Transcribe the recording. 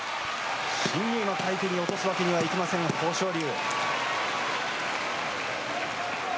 新入幕を相手に落とすわけにはいきません豊昇龍。